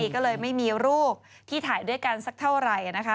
ก็เลยไม่มีรูปที่ถ่ายด้วยกันสักเท่าไหร่นะคะ